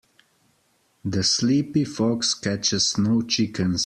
The sleepy fox catches no chickens.